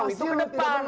itu ke depan